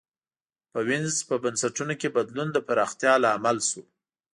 په وینز په بنسټونو کې بدلون د پراختیا لامل شو.